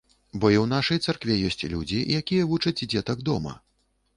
Бо і ў нашай царкве ёсць людзі, якія вучаць дзетак дома.